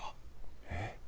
えっ？